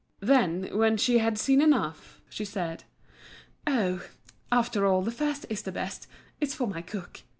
Then, when she had seen enough, she said: "Oh! after all, the first is the best; it's for my cook.